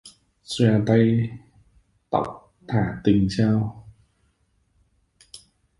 Xòe tay tóc thả tình trao